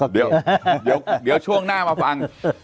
เดี๋ยวช่วงหน้ามาฟัง